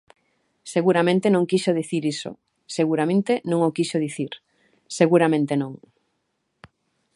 Seguramente non quixo dicir iso, seguramente non o quixo dicir, seguramente non.